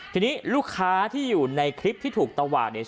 ทีนี้ลูกค้าที่อยู่ในคลิปที่ถูกตวาดเนี่ย